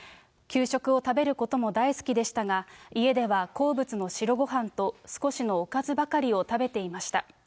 給食を食べることも大好きでしたが、家では好物の白ごはんと、少しのおかずばかりを食べていました。